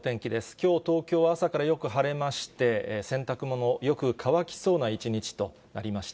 きょう、東京は朝からよく晴れまして、洗濯物、よく乾きそうな一日となりました。